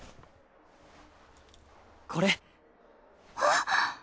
これ。